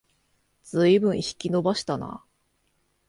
ずいぶん引き延ばしたな